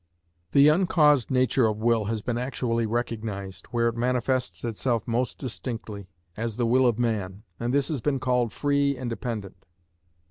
The uncaused nature of will has been actually recognised, where it manifests itself most distinctly, as the will of man, and this has been called free, independent.